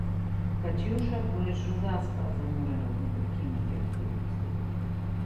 Катјуша конечно заспа, заморена од непрекинати активности.